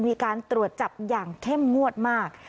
มีการตรวจจับอย่างเข้มงวดมาก